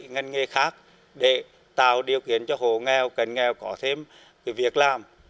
ngành nghề khác để tạo điều kiện cho hộ nghèo cận nghèo có thêm việc làm